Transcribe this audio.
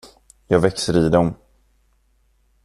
Jag växer i dem.